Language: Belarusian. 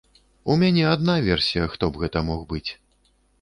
У мяне адна версія, хто б гэта мог быць.